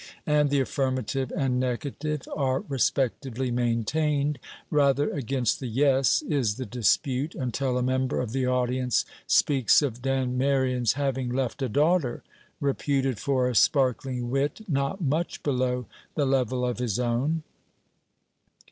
And the affirmative and negative are respectively maintained, rather against the Yes is the dispute, until a member of the audience speaks of Dan Merion's having left a daughter reputed for a sparkling wit not much below the level of his own.